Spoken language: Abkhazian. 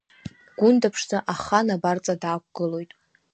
Гәында-ԥшӡа ахан абарҵа даақәгылоит.